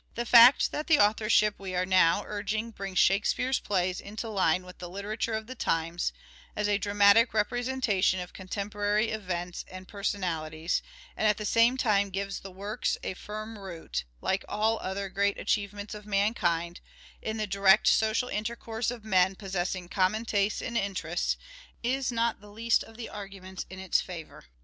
The fact that the authorship we are now urging brings " Shakespeae's " plays into line with the literature of the times, as a dramatic representation of contemporary events and person alities, and at the same time gives the works a firm root, like all the other great achievements of mankind, in the direct social intercourse of men possessing common tastes and interests, is not the least of the arguments in its favour.